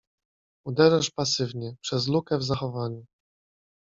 ” „Uderzasz pasywnie — przez lukę w zachowaniu.